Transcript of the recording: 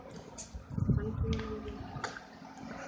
الصِّيتُ ولا الغنى